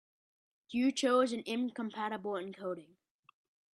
You chose an incompatible encoding.